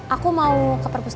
aku mau ke perpustakaan